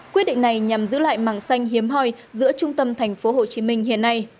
quyết định này nhằm giữ lại màng xanh hiếm hoi giữa trung tâm tp hcm hiện nay